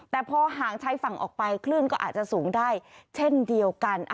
แต่พอห่างชายฝั่งออกไปคลื่นก็อาจจะสูงได้เช่นเดียวกัน